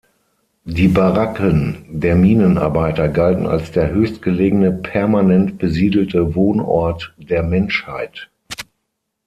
Die Baracken der Minenarbeiter galten als der höchstgelegene permanent besiedelte Wohnort der Menschheit.